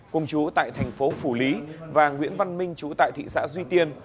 cùng chú tại thành phố phủ lý và nguyễn văn minh chú tại thị xã duy tiên